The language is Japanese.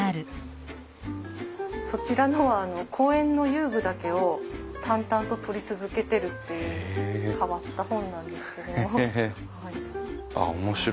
そちらのは公園の遊具だけを淡々と撮り続けてるっていう変わった本なんですけれども。